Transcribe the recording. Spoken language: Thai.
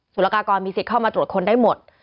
ุรกากรมีสิทธิ์เข้ามาตรวจค้นได้หมด